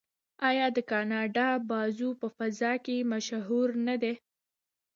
آیا د کاناډا بازو په فضا کې مشهور نه دی؟